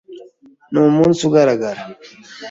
Ni umunsi ugaragara.